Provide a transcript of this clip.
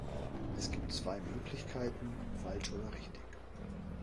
Es gibt zwei Möglichkeiten, falsch oder richtig.